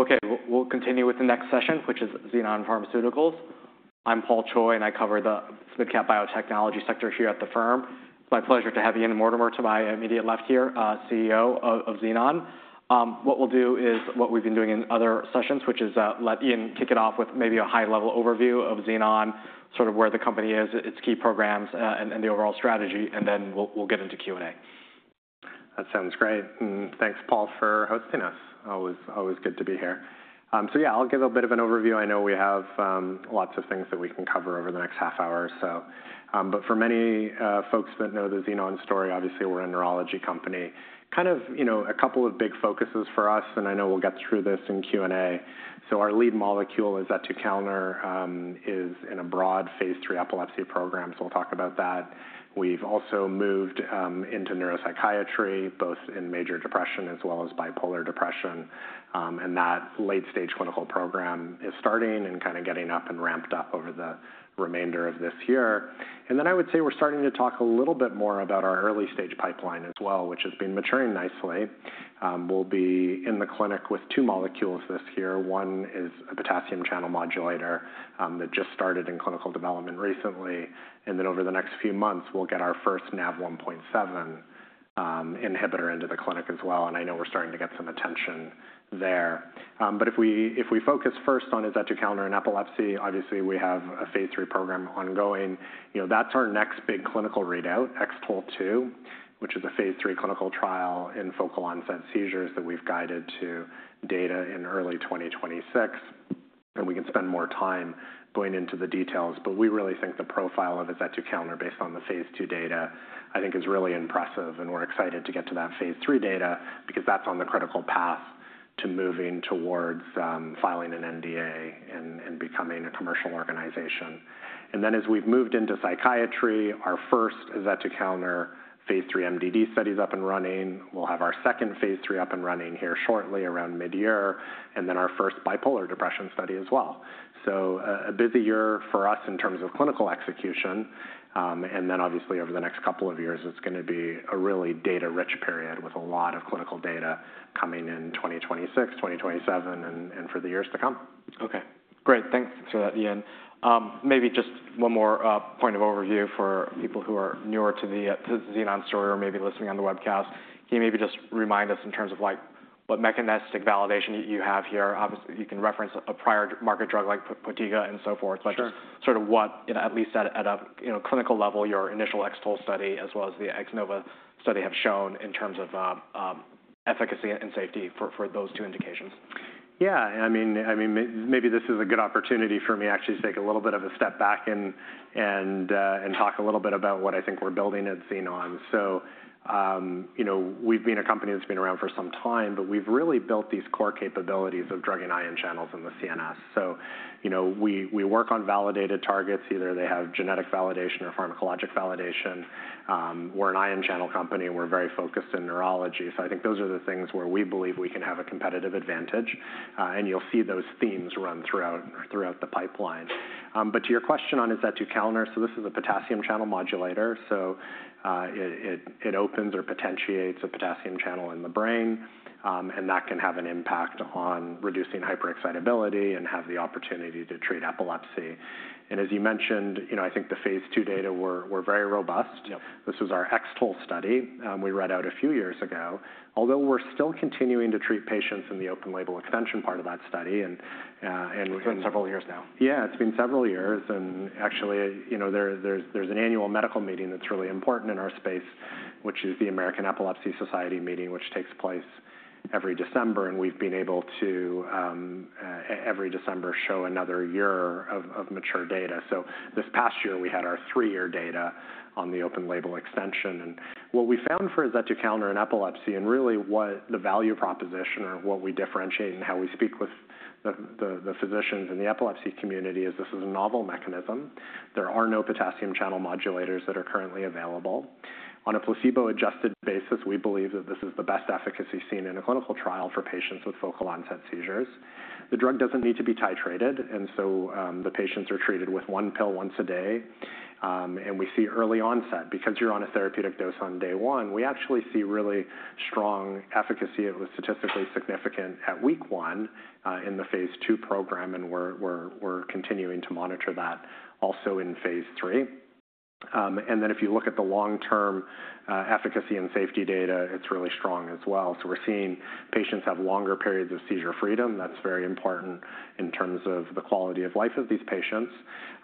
Okay, we'll continue with the next session, which is Xenon Pharmaceuticals. I'm Paul Choi, and I cover the mid-cap biotechnology sector here at the firm. It's my pleasure to have Ian Mortimer, to my immediate left here, CEO of Xenon. What we'll do is what we've been doing in other sessions, which is let Ian kick it off with maybe a high-level overview of Xenon, sort of where the company is, its key programs, and the overall strategy, and then we'll get into Q&A. That sounds great. Thanks, Paul, for hosting us. Always good to be here. Yeah, I'll give a bit of an overview. I know we have lots of things that we can cover over the next half hour or so. For many folks that know the Xenon story, obviously we're a neurology company. Kind of a couple of big focuses for us, and I know we'll get through this in Q&A. Our lead molecule, Azetukalner, is in a broad phase III epilepsy program, so we'll talk about that. We've also moved into neuropsychiatry, both in major depression as well as bipolar depression. That late-stage clinical program is starting and kind of getting up and ramped up over the remainder of this year. I would say we're starting to talk a little bit more about our early-stage pipeline as well, which has been maturing nicely. We'll be in the clinic with two molecules this year. One is a potassium channel modulator that just started in clinical development recently. Over the next few months, we'll get our first NaV1.7 inhibitor into the clinic as well. I know we're starting to get some attention there. If we focus first on Azetukalner and epilepsy, obviously we have a phase III program ongoing. That's our next big clinical readout, X-TOLE 2, which is a phase III clinical trial in focal onset seizures that we've guided to data in early 2026. We can spend more time going into the details, but we really think the profile of Azetukalner based on the phase II data, I think, is really impressive. We're excited to get to that phase III data because that's on the critical path to moving towards filing an NDA and becoming a commercial organization. As we've moved into psychiatry, our first Azetukalner phase III MDD study is up and running. We'll have our second phase III up and running here shortly around mid-year, and then our first bipolar depression study as well. A busy year for us in terms of clinical execution. Obviously, over the next couple of years, it's going to be a really data-rich period with a lot of clinical data coming in 2026, 2027, and for the years to come. Okay, great. Thanks for that, Ian. Maybe just one more point of overview for people who are newer to the Xenon story or maybe listening on the webcast. Can you maybe just remind us in terms of what mechanistic validation you have here? Obviously, you can reference a prior market drug like Potiga and so forth, but just sort of what, at least at a clinical level, your initial X-TOLE study as well as the X-NOVA study have shown in terms of efficacy and safety for those two indications. Yeah, I mean, maybe this is a good opportunity for me actually to take a little bit of a step back and talk a little bit about what I think we're building at Xenon. We've been a company that's been around for some time, but we've really built these core capabilities of drug and ion channels in the CNS. We work on validated targets, either they have genetic validation or pharmacologic validation. We're an ion channel company and we're very focused in neurology. I think those are the things where we believe we can have a competitive advantage. You'll see those themes run throughout the pipeline. To your question on Azetukalner, this is a potassium channel modulator. It opens or potentiates a potassium channel in the brain, and that can have an impact on reducing hyperexcitability and have the opportunity to treat epilepsy. As you mentioned, I think the phase II data were very robust. This was our X-TOLE study we read out a few years ago, although we're still continuing to treat patients in the open label extension part of that study. It's been several years now. Yeah, it's been several years. Actually, there's an annual medical meeting that's really important in our space, which is the American Epilepsy Society Meeting, which takes place every December. We've been able to, every December, show another year of mature data. This past year, we had our three-year data on the open label extension. What we found for Azetukalner in epilepsy, and really what the value proposition or what we differentiate and how we speak with the physicians in the epilepsy community is this is a novel mechanism. There are no potassium channel modulators that are currently available. On a placebo-adjusted basis, we believe that this is the best efficacy seen in a clinical trial for patients with focal onset seizures. The drug doesn't need to be titrated, and the patients are treated with one pill once a day. We see early onset, because you're on a therapeutic dose on day one, we actually see really strong efficacy. It was statistically significant at week one in the phase II program, and we're continuing to monitor that also in phase III. If you look at the long-term efficacy and safety data, it's really strong as well. We're seeing patients have longer periods of seizure freedom. That's very important in terms of the quality of life of these patients.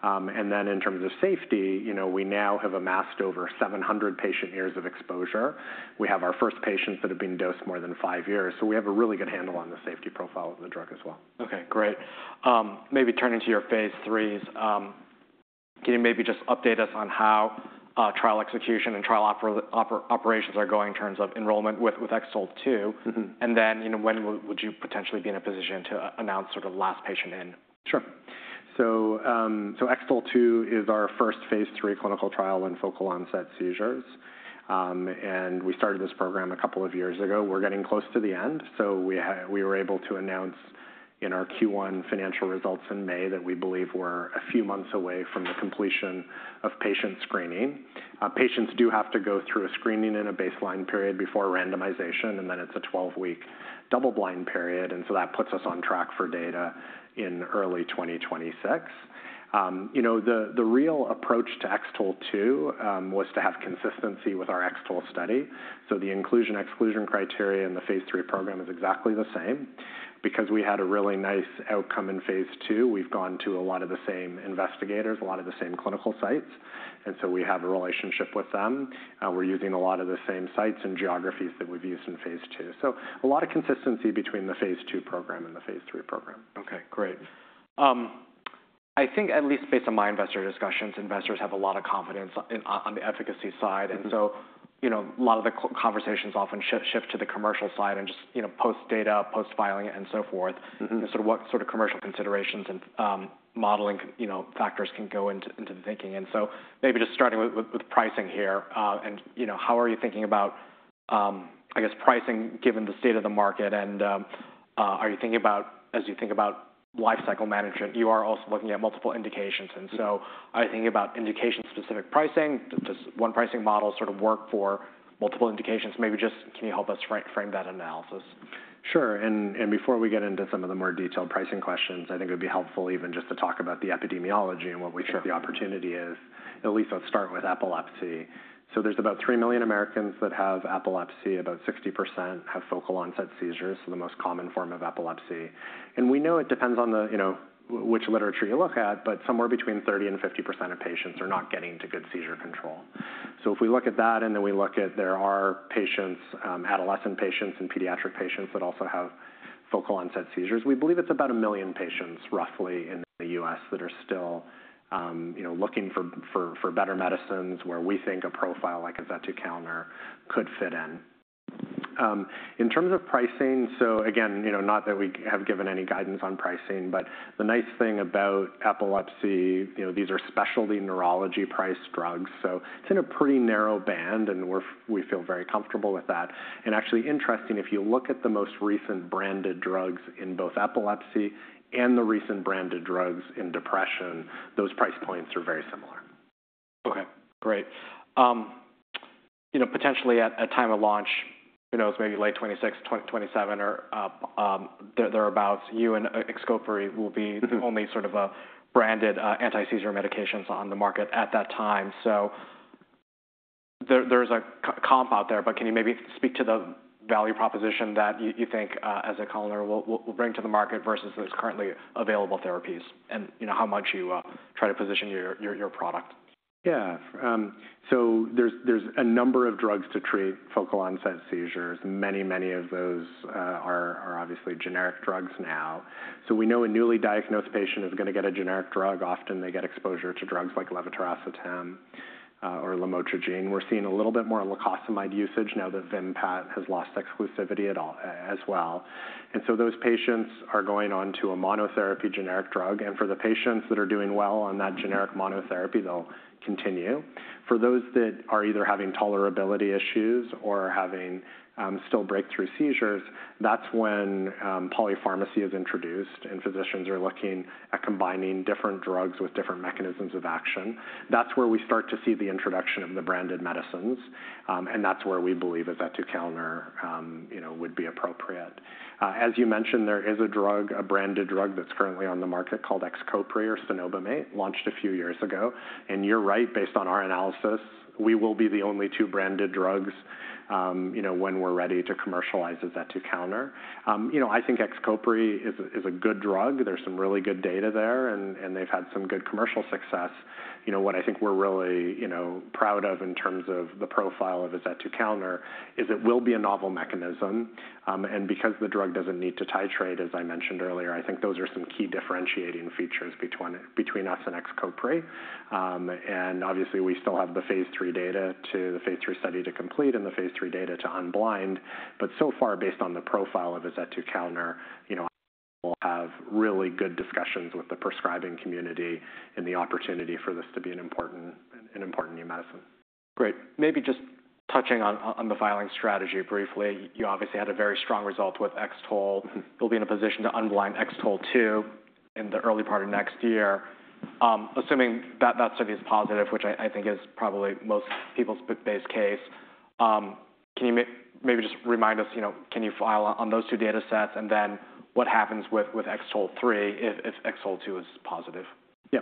In terms of safety, we now have amassed over 700 patient years of exposure. We have our first patients that have been dosed more than five years. We have a really good handle on the safety profile of the drug as well. Okay, great. Maybe turning to your phase IIIs, can you maybe just update us on how trial execution and trial operations are going in terms of enrollment with X-TOLE 2? And then when would you potentially be in a position to announce sort of last patient in? Sure. XTOLE-2 is our first phase III clinical trial in focal onset seizures. We started this program a couple of years ago. We're getting close to the end. We were able to announce in our Q1 financial results in May that we believe we're a few months away from the completion of patient screening. Patients do have to go through a screening and a baseline period before randomization, and then it's a 12-week double-blind period. That puts us on track for data in early 2026. The real approach to XTOLE-2 was to have consistency with our XTOLE study. The inclusion-exclusion criteria in the phase III program is exactly the same. Because we had a really nice outcome in phase II, we've gone to a lot of the same investigators, a lot of the same clinical sites. We have a relationship with them. We're using a lot of the same sites and geographies that we've used in phase II. So a lot of consistency between the phase II program and the phase III program. Okay, great. I think at least based on my investor discussions, investors have a lot of confidence on the efficacy side. A lot of the conversations often shift to the commercial side and just post data, post filing, and so forth. What sort of commercial considerations and modeling factors can go into the thinking? Maybe just starting with pricing here, and how are you thinking about, I guess, pricing given the state of the market? Are you thinking about, as you think about lifecycle management, you are also looking at multiple indications? Are you thinking about indication-specific pricing? Does one pricing model sort of work for multiple indications? Maybe just can you help us frame that analysis? Sure. Before we get into some of the more detailed pricing questions, I think it would be helpful even just to talk about the epidemiology and what we think the opportunity is, at least let's start with epilepsy. There are about 3 million Americans that have epilepsy. About 60% have focal onset seizures, so the most common form of epilepsy. We know it depends on which literature you look at, but somewhere between 30%-50% of patients are not getting to good seizure control. If we look at that and then we look at there are patients, adolescent patients and pediatric patients that also have focal onset seizures, we believe it's about 1 million patients roughly in the U.S. that are still looking for better medicines where we think a profile like Azetukalner could fit in. In terms of pricing, again, not that we have given any guidance on pricing, but the nice thing about epilepsy, these are specialty neurology priced drugs. It is in a pretty narrow band, and we feel very comfortable with that. Actually, interesting, if you look at the most recent branded drugs in both epilepsy and the recent branded drugs in depression, those price points are very similar. Okay, great. Potentially at time of launch, who knows, maybe late 2026, 2027, or thereabouts, you and Xcopri will be the only sort of branded anti-seizure medications on the market at that time. So there's a comp out there, but can you maybe speak to the value proposition that you think Azetukalner will bring to the market versus those currently available therapies and how you try to position your product? Yeah. So there's a number of drugs to treat focal onset seizures. Many, many of those are obviously generic drugs now. We know a newly diagnosed patient is going to get a generic drug. Often they get exposure to drugs like levetiracetam or lamotrigine. We're seeing a little bit more lacosamide usage now that Vimpat has lost exclusivity as well. Those patients are going on to a monotherapy generic drug. For the patients that are doing well on that generic monotherapy, they'll continue. For those that are either having tolerability issues or still having breakthrough seizures, that's when polypharmacy is introduced and physicians are looking at combining different drugs with different mechanisms of action. That's where we start to see the introduction of the branded medicines. That's where we believe ezetucalner would be appropriate. As you mentioned, there is a drug, a branded drug that's currently on the market called Xcopri or cenobamate, launched a few years ago. You're right, based on our analysis, we will be the only two branded drugs when we're ready to commercialize as Azetukalner. I think Xcopri is a good drug. There's some really good data there, and they've had some good commercial success. What I think we're really proud of in terms of the profile of Azetukalner is it will be a novel mechanism. Because the drug doesn't need to titrate, as I mentioned earlier, I think those are some key differentiating features between us and Xcopri. Obviously, we still have the phase III study to complete and the phase III data to unblind. So far, based on the profile of zetucalner, we'll have really good discussions with the prescribing community and the opportunity for this to be an important new medicine. Great. Maybe just touching on the filing strategy briefly, you obviously had a very strong result with X-TOLE. You'll be in a position to unblind X-TOLE 2 in the early part of next year. Assuming that that study is positive, which I think is probably most people's base case, can you maybe just remind us, can you file on those two data sets and then what happens with X-TOLE 3 if X-TOLE 2 is positive? Yeah.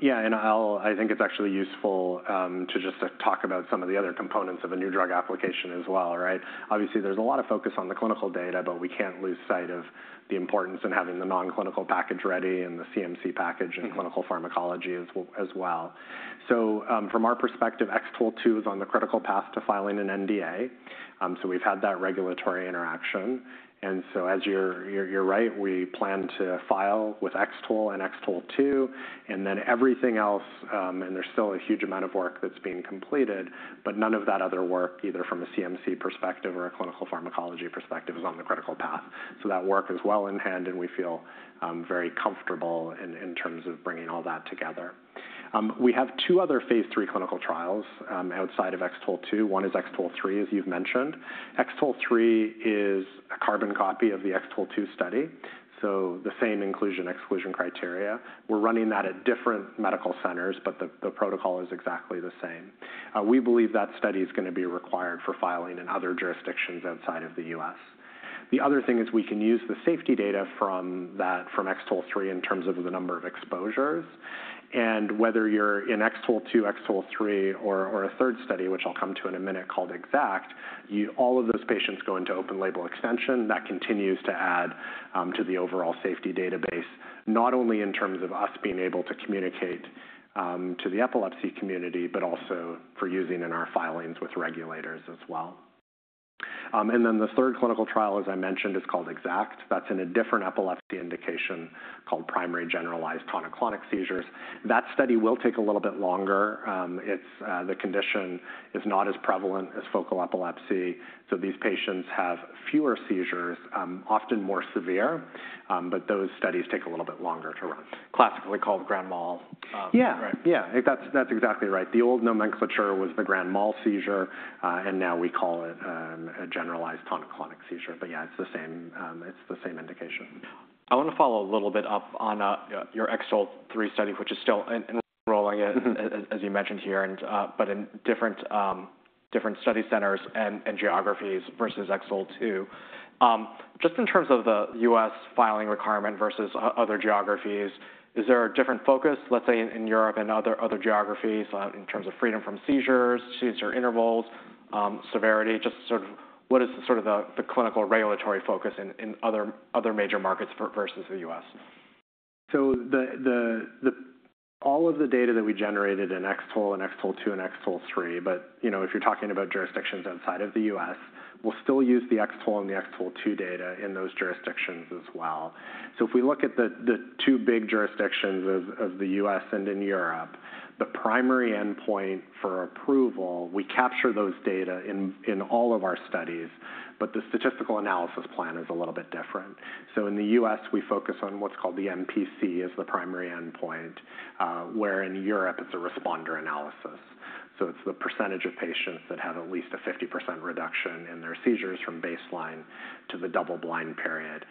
Yeah, and I think it's actually useful to just talk about some of the other components of a new drug application as well, right? Obviously, there's a lot of focus on the clinical data, but we can't lose sight of the importance in having the non-clinical package ready and the CMC package and clinical pharmacology as well. From our perspective, X-TOLE 2 is on the critical path to filing an NDA. We've had that regulatory interaction. As you're right, we plan to file with X-TOLE and X-TOLE 2, and then everything else, and there's still a huge amount of work that's being completed, but none of that other work, either from a CMC perspective or a clinical pharmacology perspective, is on the critical path. That work is well in hand, and we feel very comfortable in terms of bringing all that together. We have two other phase III clinical trials outside of X-TOLE 2. One is X-TOLE 3, as you've mentioned. X-TOLE 3 is a carbon copy of the X-TOLE 2 study. So the same inclusion-exclusion criteria. We're running that at different medical centers, but the protocol is exactly the same. We believe that study is going to be required for filing in other jurisdictions outside of the U.S. The other thing is we can use the safety data from X-TOLE 3 in terms of the number of exposures. And whether you're in X-TOLE 2, X-TOLE 3, or a third study, which I'll come to in a minute called X-ACT, all of those patients go into open label extension. That continues to add to the overall safety database, not only in terms of us being able to communicate to the epilepsy community, but also for using in our filings with regulators as well. The third clinical trial, as I mentioned, is called X-ACT. That is in a different epilepsy indication called primary generalized tonic-clonic seizures. That study will take a little bit longer. The condition is not as prevalent as focal epilepsy. These patients have fewer seizures, often more severe, but those studies take a little bit longer to run. Classically called grand mal. Yeah, yeah, that's exactly right. The old nomenclature was the grand mal seizure, and now we call it a generalized tonic-clonic seizure. Yeah, it's the same indication. I want to follow a little bit up on your X-TOLE 3 study, which is still enrolling it, as you mentioned here, but in different study centers and geographies versus X-TOLE 2. Just in terms of the U.S. filing requirement versus other geographies, is there a different focus, let's say in Europe and other geographies in terms of freedom from seizures, seizure intervals, severity? Just sort of what is sort of the clinical regulatory focus in other major markets versus the U.S.? All of the data that we generated in X-TOLE and X-TOLE 2 and X-TOLE 3, but if you're talking about jurisdictions outside of the U.S., we'll still use the X-TOLE and the X-TOLE 2 data in those jurisdictions as well. If we look at the two big jurisdictions of the U.S. and in Europe, the primary endpoint for approval, we capture those data in all of our studies, but the statistical analysis plan is a little bit different. In the U.S., we focus on what's called the MPC as the primary endpoint, where in Europe, it's a responder analysis. It's the percentage of patients that have at least a 50% reduction in their seizures from baseline to the double-blind period.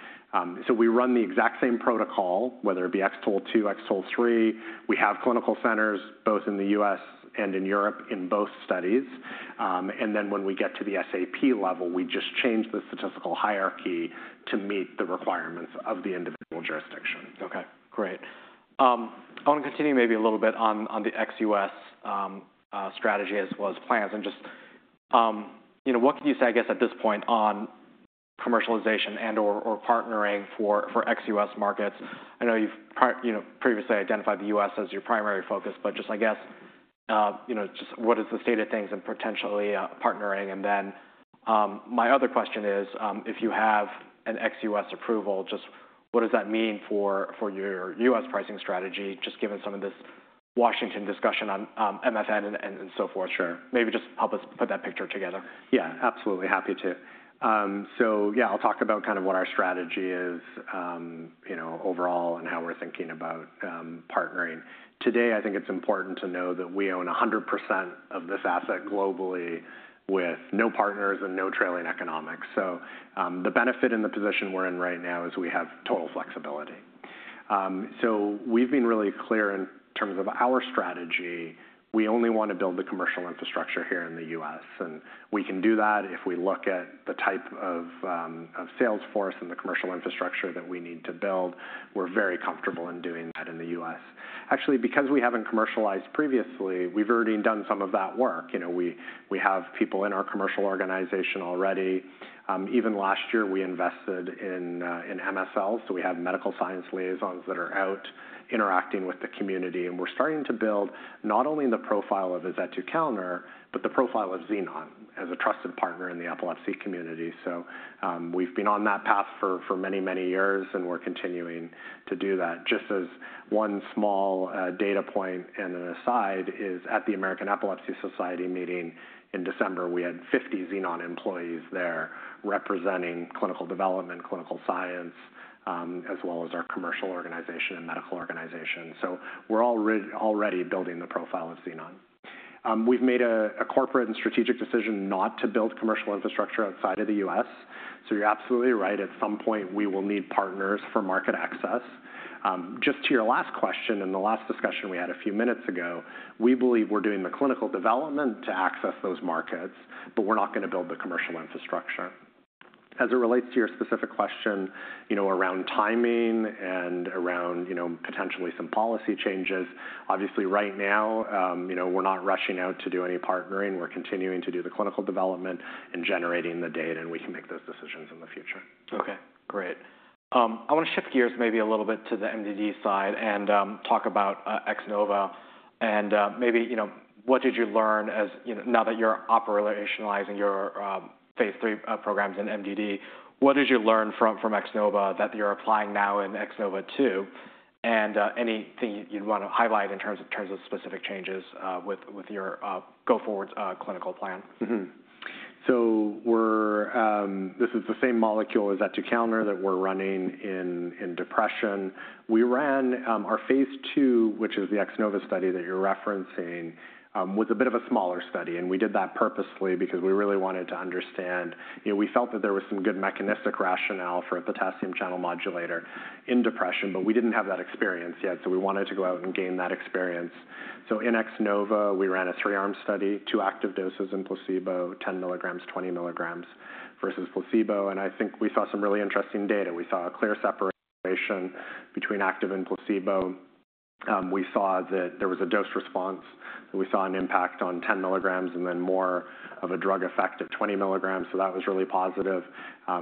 We run the exact same protocol, whether it be X-TOLE 2, X-TOLE 3. We have clinical centers both in the U.S. and in Europe in both studies. When we get to the SAP level, we just change the statistical hierarchy to meet the requirements of the individual jurisdiction. Okay, great. I want to continue maybe a little bit on the ex-US strategy as well as plans. And just what can you say, I guess, at this point on commercialization and/or partnering for ex-US markets? I know you've previously identified the U.S. as your primary focus, but just I guess, just what is the state of things and potentially partnering? And then my other question is, if you have an ex-US approval, just what does that mean for your U.S. pricing strategy, just given some of this Washington discussion on MFN and so forth? Maybe just help us put that picture together. Yeah, absolutely. Happy to. Yeah, I'll talk about kind of what our strategy is overall and how we're thinking about partnering. Today, I think it's important to know that we own 100% of this asset globally with no partners and no trailing economics. The benefit in the position we're in right now is we have total flexibility. We've been really clear in terms of our strategy. We only want to build the commercial infrastructure here in the U.S. We can do that if we look at the type of sales force and the commercial infrastructure that we need to build. We're very comfortable in doing that in the U.S. Actually, because we haven't commercialized previously, we've already done some of that work. We have people in our commercial organization already. Even last year, we invested in MSL. We have medical science liaisons that are out interacting with the community. We're starting to build not only the profile of Azetukalner, but the profile of Xenon as a trusted partner in the epilepsy community. We've been on that path for many, many years, and we're continuing to do that. Just as one small data point and an aside is at the American Epilepsy Society Meeting in December, we had 50 Xenon employees there representing clinical development, clinical science, as well as our commercial organization and medical organization. We're already building the profile of Xenon. We've made a corporate and strategic decision not to build commercial infrastructure outside of the U.S. You're absolutely right. At some point, we will need partners for market access. Just to your last question and the last discussion we had a few minutes ago, we believe we're doing the clinical development to access those markets, but we're not going to build the commercial infrastructure. As it relates to your specific question around timing and around potentially some policy changes, obviously right now, we're not rushing out to do any partnering. We're continuing to do the clinical development and generating the data, and we can make those decisions in the future. Okay, great. I want to shift gears maybe a little bit to the MDD side and talk about X-NOVA. Maybe what did you learn now that you're operationalizing your phase III programs in MDD? What did you learn from X-NOVA that you're applying now in X-NOVA 2? Anything you'd want to highlight in terms of specific changes with your go forward clinical plan? This is the same molecule as Azetukalner that we're running in depression. We ran our phase II, which is the X-NOVA study that you're referencing, was a bit of a smaller study. We did that purposely because we really wanted to understand. We felt that there was some good mechanistic rationale for a potassium channel modulator in depression, but we didn't have that experience yet. We wanted to go out and gain that experience. In X-NOVA, we ran a three-arm study, two active doses and placebo, 10 mg, 20 mg versus placebo. I think we saw some really interesting data. We saw a clear separation between active and placebo. We saw that there was a dose response. We saw an impact on 10 mg and then more of a drug effect at 20 mg. That was really positive.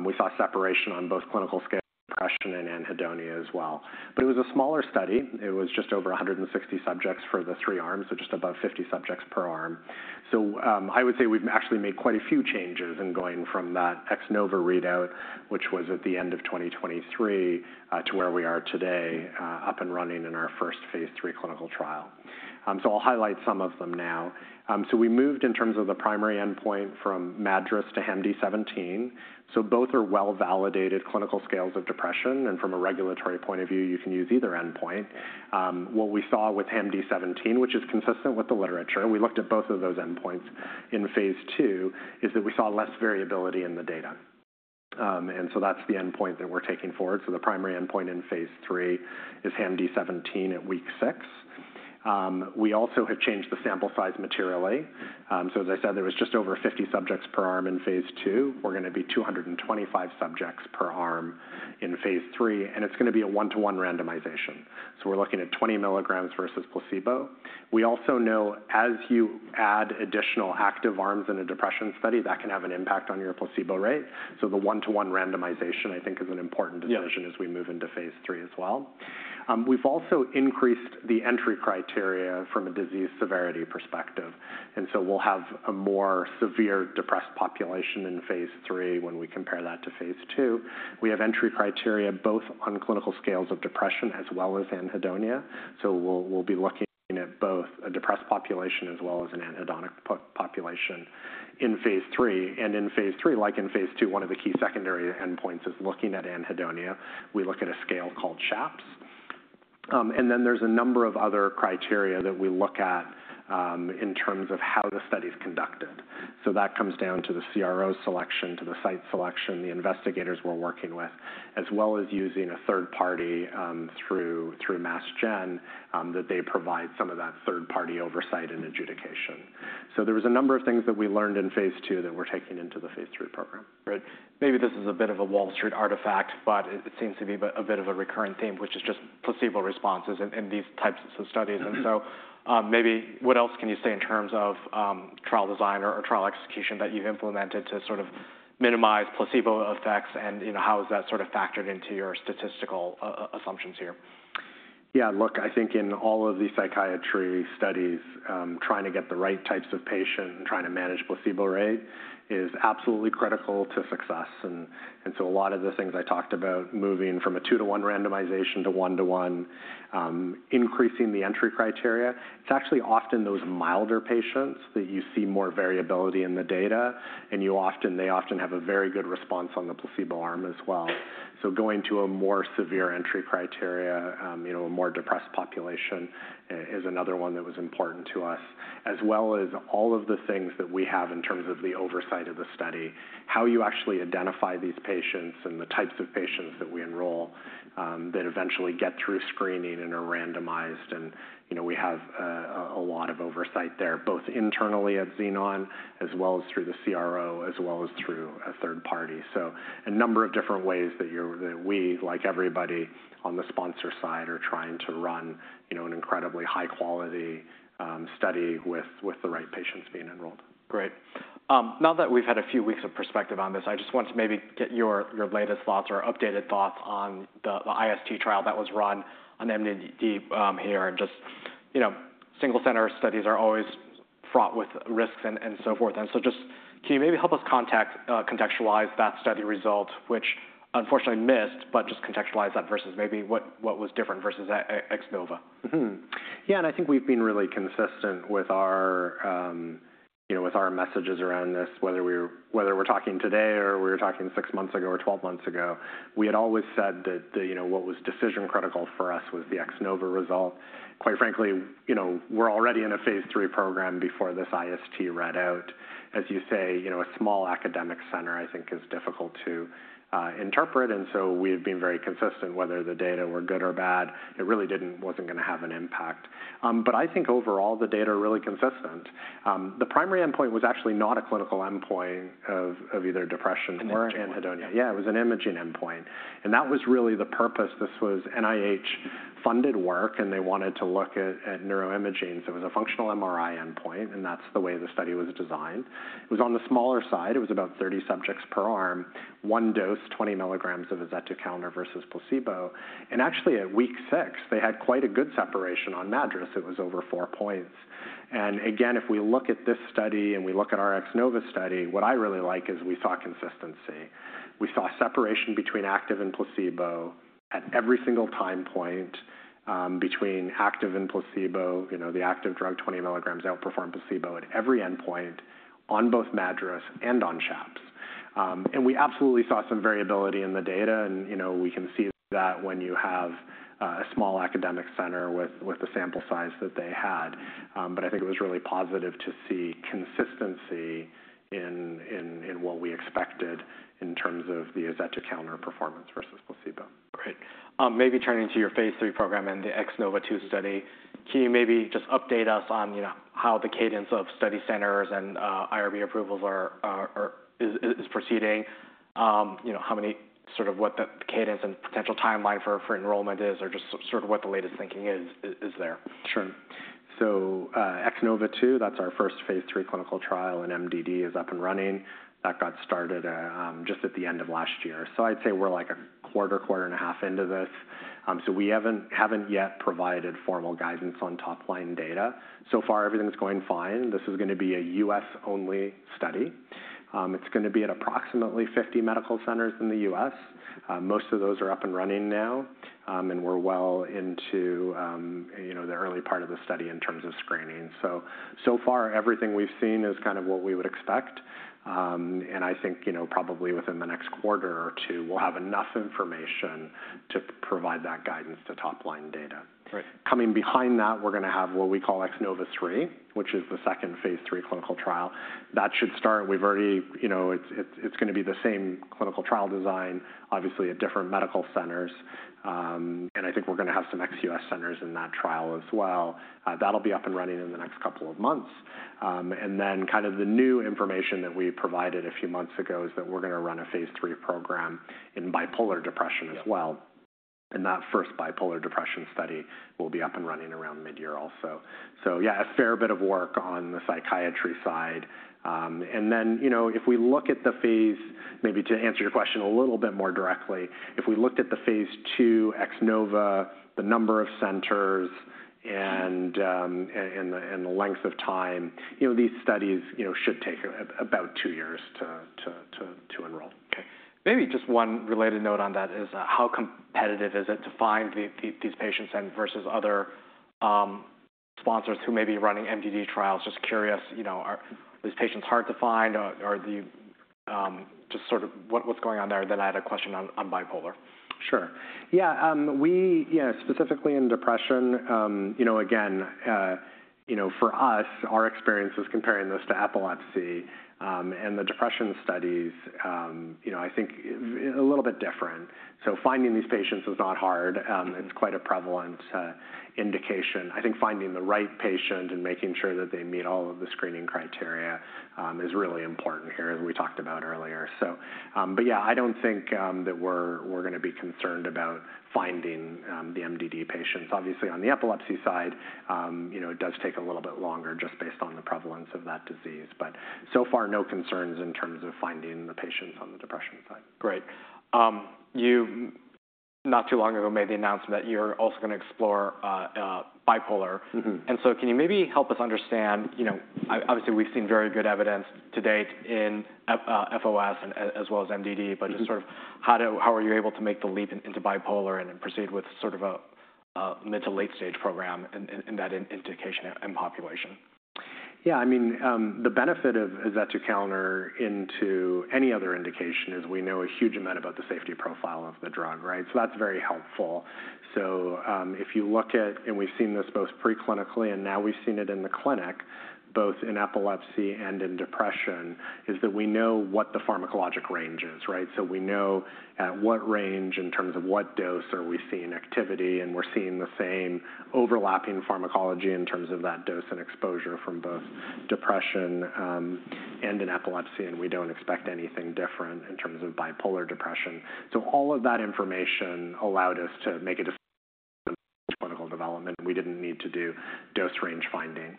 We saw separation on both clinical scale depression and anhedonia, as well. It was a smaller study. It was just over 160 subjects for the three arms, so just about 50 subjects per arm. I would say we've actually made quite a few changes in going from that X-NOVA readout, which was at the end of 2023, to where we are today, up and running in our first phase III clinical trial. I'll highlight some of them now. We moved in terms of the primary endpoint from MADRS to HAM-D17. Both are well-validated clinical scales of depression. From a regulatory point of view, you can use either endpoint. What we saw with HAM-D17, which is consistent with the literature, we looked at both of those endpoints in phase II, is that we saw less variability in the data. That's the endpoint that we're taking forward. The primary endpoint in phase III is HAM-D17 at week 6. We also have changed the sample size materially. As I said, there was just over 50 subjects per arm in phase II. We're going to be 225 subjects per arm in phase III. It's going to be a one-to-one randomization. We're looking at 20 mg versus placebo. We also know as you add additional active arms in a depression study, that can have an impact on your placebo rate. The one-to-one randomization, I think, is an important decision as we move into phase III as well. We've also increased the entry criteria from a disease severity perspective. We'll have a more severe depressed population in phase III when we compare that to phase II. We have entry criteria both on clinical scales of depression as well as anhedonia. We will be looking at both a depressed population as well as an anhedonic population in phase three. In phase three, like in phase two, one of the key secondary endpoints is looking at anhedonia. We look at a scale called CHAPS. There are a number of other criteria that we look at in terms of how the study is conducted. That comes down to the CRO selection, to the site selection, the investigators we are working with, as well as using a third party through MassGen that provides some of that third party oversight and adjudication. There were a number of things that we learned in phase II that we are taking into the phase III program. Maybe this is a bit of a Wall Street artifact, but it seems to be a bit of a recurrent theme, which is just placebo responses in these types of studies. What else can you say in terms of trial design or trial execution that you've implemented to sort of minimize placebo effects? How is that sort of factored into your statistical assumptions here? Yeah, look, I think in all of the psychiatry studies, trying to get the right types of patients and trying to manage placebo rate is absolutely critical to success. A lot of the things I talked about, moving from a two-to-one randomization to one-to-one, increasing the entry criteria, it's actually often those milder patients that you see more variability in the data, and they often have a very good response on the placebo arm as well. Going to a more severe entry criteria, a more depressed population, is another one that was important to us, as well as all of the things that we have in terms of the oversight of the study, how you actually identify these patients and the types of patients that we enroll that eventually get through screening and are randomized. We have a lot of oversight there, both internally at Xenon, as well as through the CRO, as well as through a third party. A number of different ways that we, like everybody on the sponsor side, are trying to run an incredibly high-quality study with the right patients being enrolled. Great. Now that we've had a few weeks of perspective on this, I just want to maybe get your latest thoughts or updated thoughts on the IST trial that was run on MDD here. Just single center studies are always fraught with risks and so forth. Can you maybe help us contextualize that study result, which unfortunately missed, but just contextualize that versus maybe what was different versus X-NOVA? Yeah, and I think we've been really consistent with our messages around this. Whether we're talking today or we were talking six months ago or 12 months ago, we had always said that what was decision critical for us was the X-NOVA result. Quite frankly, we're already in a phase three program before this IST readout. As you say, a small academic center, I think, is difficult to interpret. I think we've been very consistent. Whether the data were good or bad, it really wasn't going to have an impact. I think overall, the data are really consistent. The primary endpoint was actually not a clinical endpoint of either depression or anhedonia. It was an imaging endpoint. That was really the purpose. This was NIH-funded work, and they wanted to look at neuroimmaging. It was a functional MRI endpoint, and that's the way the study was designed. It was on the smaller side. It was about 30 subjects per arm, one dose, 20 mg of Azetukalner versus placebo. Actually, at week six, they had quite a good separation on MADRS. It was over four points. If we look at this study and we look at our X-NOVA study, what I really like is we saw consistency. We saw separation between active and placebo at every single time point, between active and placebo. The active drug, 20 mg, outperformed placebo at every endpoint on both MADRS and on CHAPS. We absolutely saw some variability in the data. We can see that when you have a small academic center with the sample size that they had. I think it was really positive to see consistency in what we expected in terms of the Azetukalner performance versus placebo. Great. Maybe turning to your phase three program and the X-NOVA 2 study, can you maybe just update us on how the cadence of study centers and IRB approvals is proceeding? How many sort of what the cadence and potential timeline for enrollment is, or just sort of what the latest thinking is there? Sure. So X-NOVA 2, that's our first phase III clinical trial in MDD, is up and running. That got started just at the end of last year. I'd say we're like a quarter, quarter and a half into this. We haven't yet provided formal guidance on top line data. So far, everything's going fine. This is going to be a US-only study. It's going to be at approximately 50 medical centers in the US. Most of those are up and running now. We're well into the early part of the study in terms of screening. So far, everything we've seen is kind of what we would expect. I think probably within the next quarter or two, we'll have enough information to provide that guidance to top line data. Coming behind that, we're going to have what we call X-NOVA 3, which is the second phase III clinical trial. That should start. It's going to be the same clinical trial design, obviously at different medical centers. I think we're going to have some ex-U.S. centers in that trial as well. That'll be up and running in the next couple of months. The new information that we provided a few months ago is that we're going to run a phase 3 program in bipolar depression as well. That first bipolar depression study will be up and running around mid-year also. Yeah, a fair bit of work on the psychiatry side. If we look at the phase, maybe to answer your question a little bit more directly, if we looked at the phase II X-NOVA, the number of centers, and the length of time, these studies should take about two years to enroll. Okay. Maybe just one related note on that is how competitive is it to find these patients versus other sponsors who may be running MDD trials? Just curious, are these patients hard to find? Just sort of what's going on there? I had a question on bipolar. Sure. Yeah, specifically in depression, again, for us, our experience is comparing this to epilepsy and the depression studies, I think, a little bit different. So finding these patients is not hard. It's quite a prevalent indication. I think finding the right patient and making sure that they meet all of the screening criteria is really important here, as we talked about earlier. Yeah, I don't think that we're going to be concerned about finding the MDD patients. Obviously, on the epilepsy side, it does take a little bit longer just based on the prevalence of that disease. So far, no concerns in terms of finding the patients on the depression side. Great. You not too long ago made the announcement that you're also going to explore bipolar. Can you maybe help us understand? Obviously, we've seen very good evidence to date in FOS, as well as MDD, but just sort of how are you able to make the leap into bipolar and proceed with sort of a mid to late stage program in that indication and population? Yeah, I mean, the benefit of Azetukalner into any other indication is we know a huge amount about the safety profile of the drug, right? That's very helpful. If you look at, and we've seen this both preclinically and now we've seen it in the clinic, both in epilepsy and in depression, we know what the pharmacologic range is, right? We know at what range in terms of what dose are we seeing activity, and we're seeing the same overlapping pharmacology in terms of that dose and exposure from both depression and in epilepsy, and we don't expect anything different in terms of bipolar depression. All of that information allowed us to make a decision in clinical development. We didn't need to do dose range finding.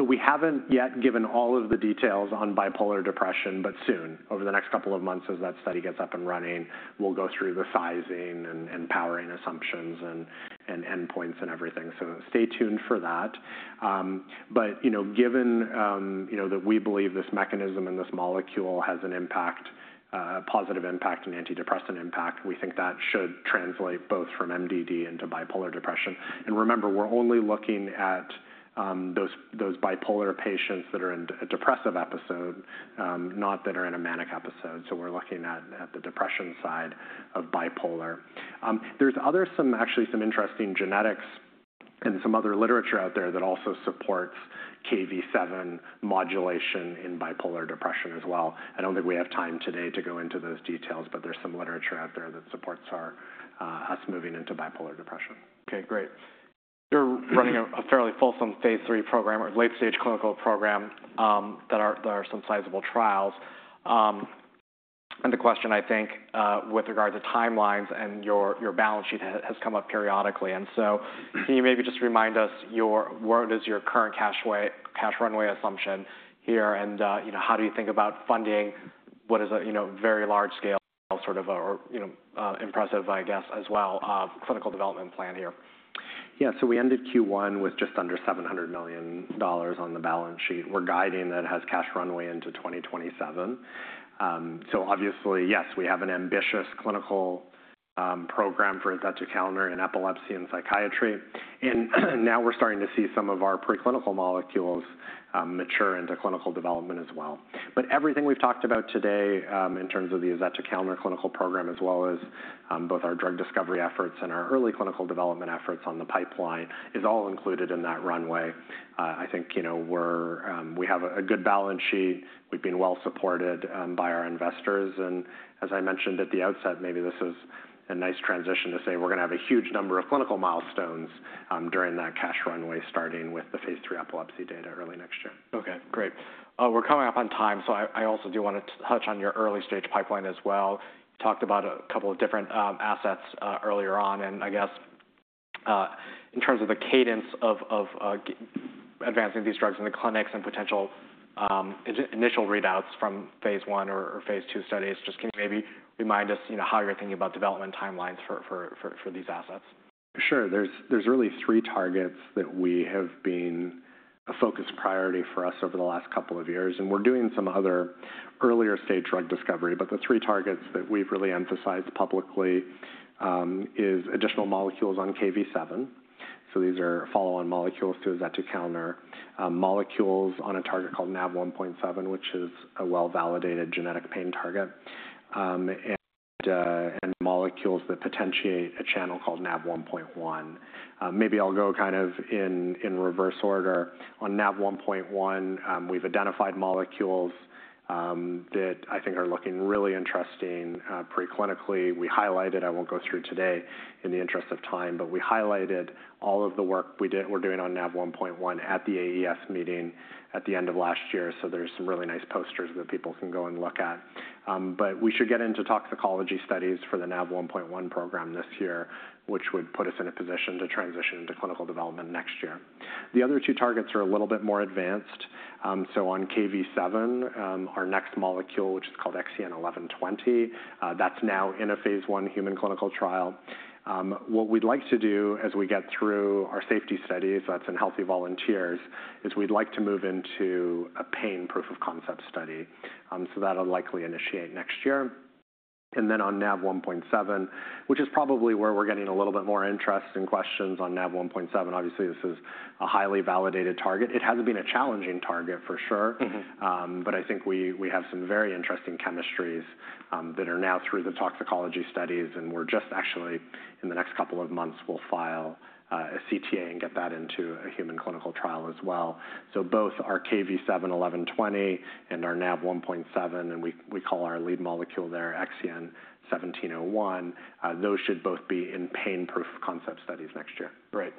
We have not yet given all of the details on bipolar depression, but soon, over the next couple of months, as that study gets up and running, we will go through the sizing and powering assumptions and endpoints and everything. Stay tuned for that. Given that we believe this mechanism and this molecule has an impact, a positive impact and antidepressant impact, we think that should translate both from MDD into bipolar depression. Remember, we are only looking at those bipolar patients that are in a depressive episode, not that are in a manic episode. We are looking at the depression side of bipolar. There is actually some interesting genetics and some other literature out there that also supports Kv7 modulation in bipolar depression as well. I don't think we have time today to go into those details, but there's some literature out there that supports us moving into bipolar depression. Okay, great. You're running a fairly fulsome phase III program or late stage clinical program. There are some sizable trials. The question, I think, with regard to timelines and your balance sheet has come up periodically. Can you maybe just remind us what is your current cash runway assumption here? How do you think about funding? What is a very large scale, sort of impressive, I guess, as well clinical development plan here? Yeah, so we ended Q1 with just under $700 million on the balance sheet. We're guiding that has cash runway into 2027. Obviously, yes, we have an ambitious clinical program for Azetukalner in epilepsy and psychiatry. Now we're starting to see some of our preclinical molecules mature into clinical development as well. Everything we've talked about today in terms of the Azetukalner clinical program, as well as both our drug discovery efforts and our early clinical development efforts on the pipeline, is all included in that runway. I think we have a good balance sheet. We've been well supported by our investors. As I mentioned at the outset, maybe this is a nice transition to say we're going to have a huge number of clinical milestones during that cash runway, starting with the phase three epilepsy data early next year. Okay, great. We're coming up on time. I also do want to touch on your early stage pipeline as well. You talked about a couple of different assets earlier on. I guess in terms of the cadence of advancing these drugs in the clinics and potential initial readouts from phase I or phase II studies, just can you maybe remind us how you're thinking about development timelines for these assets? Sure. There are really three targets that have been a focus priority for us over the last couple of years. We are doing some other earlier stage drug discovery, but the three targets that we have really emphasized publicly are additional molecules on Kv7. These are follow-on molecules to Azetukalner, molecules on a target called NaV1.7, which is a well-validated genetic pain target, and molecules that potentiate a channel called NaV1.1. Maybe I will go kind of in reverse order. On NaV1.1, we have identified molecules that I think are looking really interesting preclinically. We highlighted—I will not go through today in the interest of time—but we highlighted all of the work we are doing on NaV1.1 at the AES meeting at the end of last year. There are some really nice posters that people can go and look at. We should get into toxicology studies for the NaV1.1 program this year, which would put us in a position to transition into clinical development next year. The other two targets are a little bit more advanced. On Kv7, our next molecule, which is called XEN1120, that's now in a phase one human clinical trial. What we'd like to do as we get through our safety studies, that's in healthy volunteers, is we'd like to move into a pain proof of concept study. That'll likely initiate next year. On NaV1.7, which is probably where we're getting a little bit more interest and questions on NaV1.7, obviously this is a highly validated target. It has been a challenging target for sure. I think we have some very interesting chemistries that are now through the toxicology studies. We're just actually in the next couple of months, we'll file a CTA and get that into a human clinical trial as well. Both our XEN1120 and our NaV1.7, and we call our lead molecule there XEN1701, those should both be in pain proof of concept studies next year. Great.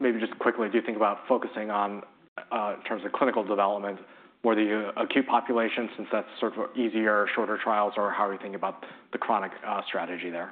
Maybe just quickly, do you think about focusing on, in terms of clinical development, more the acute population, since that's sort of easier, shorter trials? How are you thinking about the chronic strategy there?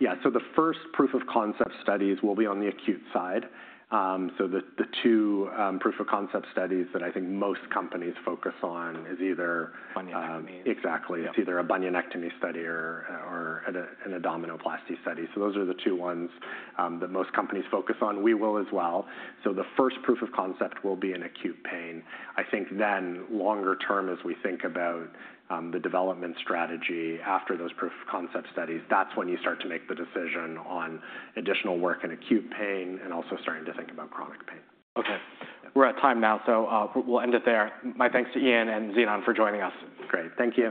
Yeah, so the first proof of concept studies will be on the acute side. The two proof of concept studies that I think most companies focus on is either. Bunionectomy. Exactly. It's either a bunionectomy study or in a dominoplasty study. Those are the two ones that most companies focus on. We will as well. The first proof of concept will be in acute pain. I think then longer term, as we think about the development strategy after those proof of concept studies, that's when you start to make the decision on additional work in acute pain and also starting to think about chronic pain. Okay. We're at time now, so we'll end it there. My thanks to Ian and Xenon for joining us. Great. Thank you.